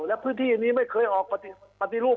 และพื้นที่นี้ไม่เคยออกปฏิรูป